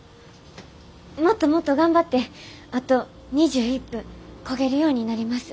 もっともっと頑張ってあと２１分こげるようになります。